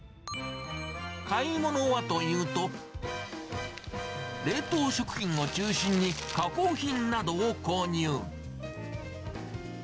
買い物はというと、冷凍食品を中心に、加工品などを購入。